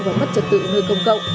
và mất trật tự người công cộng